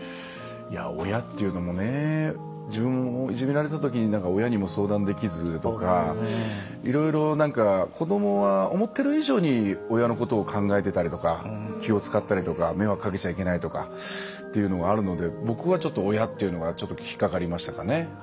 親っていうのも自分もいじめられたときに親にも相談できずとかいろいろ子供は思ってる以上に親のことを考えてたりとか気を遣ったりとか迷惑かけちゃいけないとかっていうのがあるので僕は、ちょっと親っていうのがちょっと引っ掛かりましたかね。